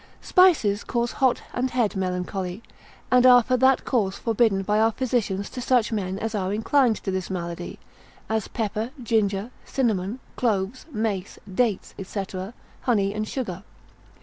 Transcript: _] Spices cause hot and head melancholy, and are for that cause forbidden by our physicians to such men as are inclined to this malady, as pepper, ginger, cinnamon, cloves, mace, dates, &c. honey and sugar.